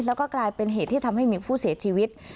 แล้วก็กลายเป็นเหตุที่ทำให้มีผู้เสียชีวิต